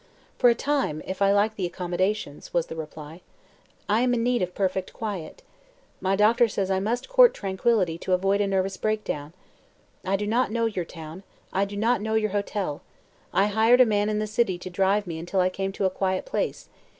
"For a time, if I like the accommodations," was the reply. "I am in need of perfect quiet. My doctor says I must court tranquility to avoid a nervous breakdown. I do not know your town; I do not know your hotel; I hired a man in the city to drive me until I came to a quiet place.